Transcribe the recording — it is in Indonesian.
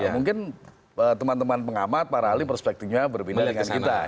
mungkin teman teman pengamat para ahli perspektifnya berbeda dengan kita